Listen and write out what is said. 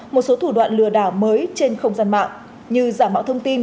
một số thủ đoạn lừa đảo mới trên không gian mạng như giả mạo thông tin